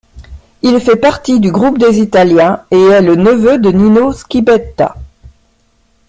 Il fait partie du groupe des italiens et est le neveu de Nino Schibetta.